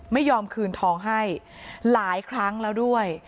ไม่ยอมคืนทองให้หลายครั้งแล้วด้วย